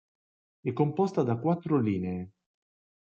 È composta da quattro linee.